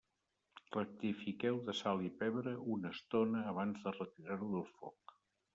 Rectifiqueu de sal i pebre una estona abans de retirar-ho del foc.